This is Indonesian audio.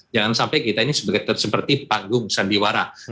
jangan sampai kita ini seperti panggung sandiwara